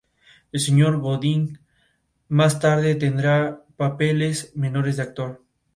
A los trece, se interesó en las ciencias gracias a un profesor influyente.